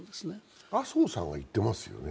麻生さんが行っていますよね？